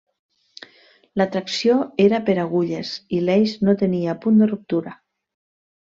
La tracció era per agulles, i l'eix no tenia punt de ruptura.